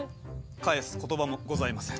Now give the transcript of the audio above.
返す言葉もございません。